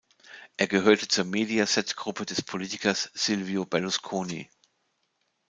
Er gehört zur Mediaset-Gruppe des Politikers Silvio Berlusconi.